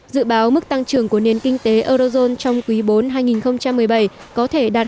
dự báo mức tăng trưởng của nền kinh tế eurozone trong quý bốn hai nghìn một mươi bảy có thể đạt